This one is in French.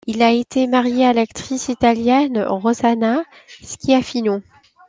Il a été marié à l'actrice italienne Rosanna Schiaffino.